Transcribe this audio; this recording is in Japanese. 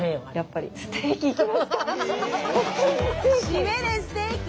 シメでステーキ！？